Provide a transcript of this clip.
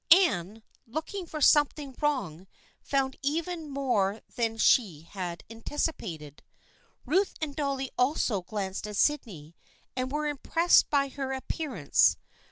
Anne, looking for something wrong, found even more than she had anticipated. Ruth and Dolly also glanced at Sydney, and were impressed by her ap pearance.